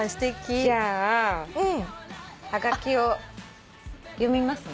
じゃあはがきを読みますね。